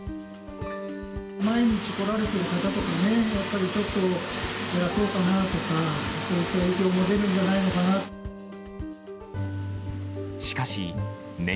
毎日来られてる方とかね、やっぱりちょっと減らそうかなとか、そういった影響も出るんじゃないのかな。